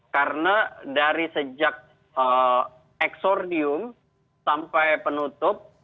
karena dari sejak eksordium sampai penutup